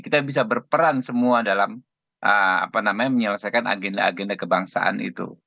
kita bisa berperan semua dalam menyelesaikan agenda agenda kebangsaan itu